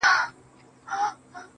ستا د مستۍ په خاطر,